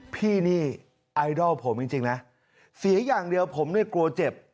พี่นี่ไอดอลผมจริงนะเสียอย่างเดียวผมเนี่ยกลัวเจ็บ